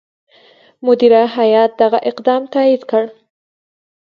مدیره هیات دغه اقدام تایید کړ.